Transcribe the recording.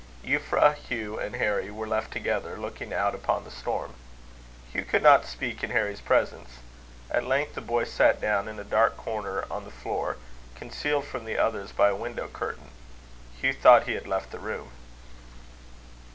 Euphra, Hugh, and Harry were left together, looking out upon the storm. Hugh could not speak in Harry's presence. At length the boy sat down in a dark corner on the floor, concealed from the others by a window curtain. Hugh thought he had left the room.